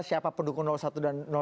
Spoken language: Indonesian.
siapa pendukung satu dan dua